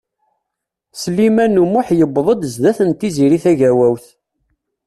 Sliman U Muḥ yewweḍ-d zdat n Tiziri Tagawawt.